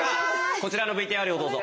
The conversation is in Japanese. こちらのＶＴＲをどうぞ。